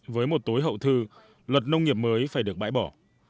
với một tối hậu thư luật nông nghiệp mới phải được bãi bỏ